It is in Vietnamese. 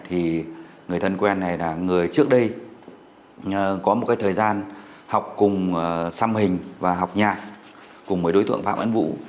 thì người thân quen này là người trước đây có một cái thời gian học cùng xăm hình và học nhạc cùng với đối tượng phạm anh vũ